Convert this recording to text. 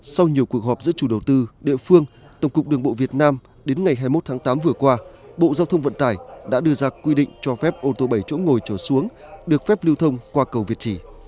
sau nhiều cuộc họp giữa chủ đầu tư địa phương tổng cục đường bộ việt nam đến ngày hai mươi một tháng tám vừa qua bộ giao thông vận tải đã đưa ra quy định cho phép ô tô bảy chỗ ngồi trở xuống được phép lưu thông qua cầu việt trì